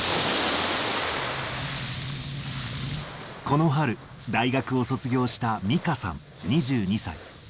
この春、大学を卒業したミカさん２２歳。